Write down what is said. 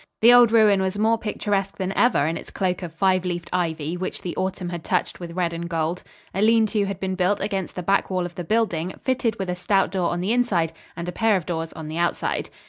The old ruin was more picturesque than, ever in its cloak of five leafed ivy which the autumn had touched with red and gold. A lean to had been built against the back wall of the building, fitted with a stout door on the inside and a pair of doors on the outside.